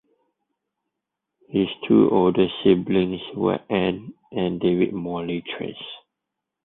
His two older siblings were Ann and David Morley Trace.